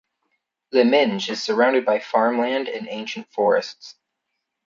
Lyminge is surrounded by farmland and ancient forests.